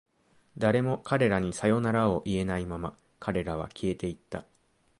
誰も彼らにさよならを言えないまま、彼らは消えていった。